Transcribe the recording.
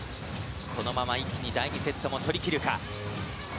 このまま一気に第２セットも取りきるか。